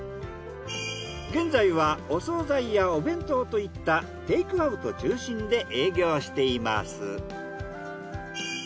現在はお惣菜やお弁当といったテークアウト中心で営業しています。